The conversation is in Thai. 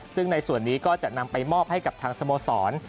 ซึ่งในส่วนนี้ก็จะนำไปมอบให้กับทางสโมสร